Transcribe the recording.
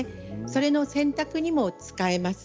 それの選択にも使えます。